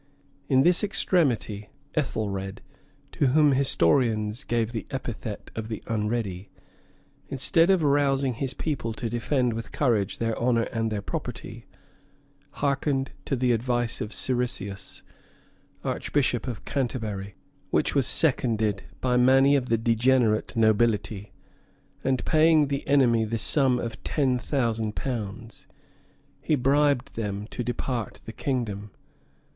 In this extremity, Ethelred, to whom historians give the epithet of the Unready, instead of rousing his people to defend with courage their honor and their property, hearkened to the advice of Siricius, archbishop of Canterbury, which was seconded by many of the degenerate nobility; and paying the enemy the sum of ten thousand pounds, he bribed them to depart the kingdom.